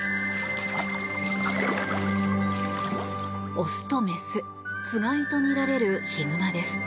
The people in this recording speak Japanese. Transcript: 雄と雌つがいとみられるヒグマです。